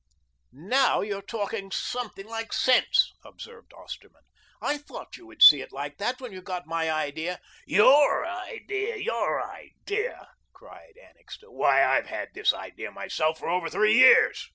"Now you are talking something like sense," observed Osterman. "I thought you would see it like that when you got my idea." "Your idea, YOUR idea!" cried Annixter. "Why, I've had this idea myself for over three years."